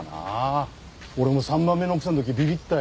俺も３番目の奥さんの時ビビったよ。